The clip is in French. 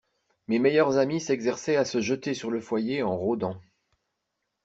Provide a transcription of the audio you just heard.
Mes meilleurs amis s'exerçaient à se jeter sur le foyer en rôdant.